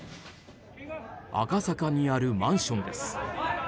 赤坂にあるマンションです。